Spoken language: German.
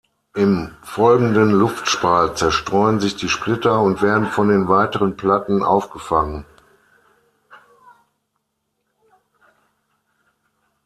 Im folgenden Luftspalt zerstreuen sich die Splitter und werden von den weiteren Platten aufgefangen.